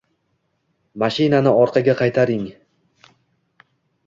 Mashinani orqaga qaytaring